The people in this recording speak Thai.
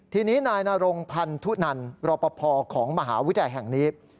ทีนี้นายนรงพันธุนันรอปภของมหาวิทยาลัยแห่งนี้